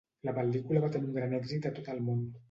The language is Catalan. La pel·lícula va tenir un gran èxit a tot el món.